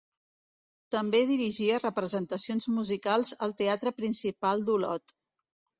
També dirigia representacions musicals al Teatre Principal d'Olot.